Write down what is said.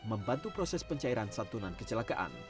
membantu proses pencairan santunan kecelakaan